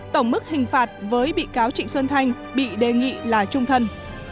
tổng mức hình phạt với bị cáo trịnh xuân thanh bị đề nghị là trung thân